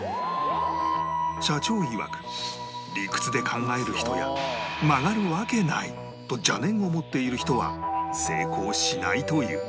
社長いわく理屈で考える人や曲がるわけないと邪念を持っている人は成功しないという